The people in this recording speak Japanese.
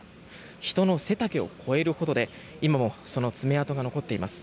人の背丈を超えるほどで今もその爪痕が残っています。